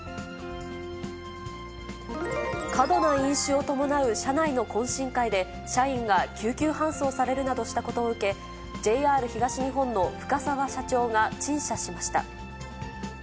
過度の飲酒を伴う社内の懇親会で、社員が救急搬送されるなどしたことを受け、ＪＲ東日本の深澤社長が陳謝しました。